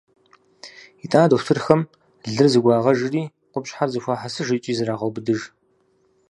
Итӏанэ дохутырхэм лыр зэгуагъэжри, къупщхьэр зэхуахьэсыж икӏи зрагъэубыдыж.